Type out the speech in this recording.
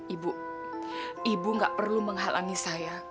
ibu ibu gak perlu menghalangi saya